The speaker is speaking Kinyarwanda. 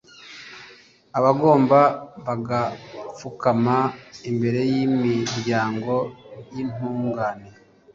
abagome bagapfukama imbere y'imiryango y'intungane